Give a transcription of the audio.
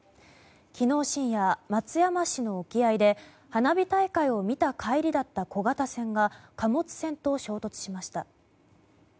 昨日深夜、松山市の沖合で花火大会を見た帰りだった小型船が貨物船と衝突しました。